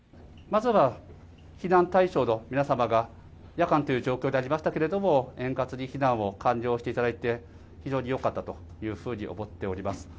まずは、避難対象の皆様が、夜間という状況ではありましたけれども、円滑に避難を完了していただいて、非常によかったというふうに思っております。